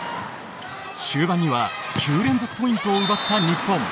終盤には９連続ポイントを奪った日本。